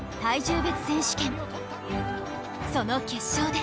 その決勝で